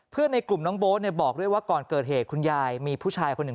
ในกลุ่มน้องโบ๊ทบอกด้วยว่าก่อนเกิดเหตุคุณยายมีผู้ชายคนหนึ่ง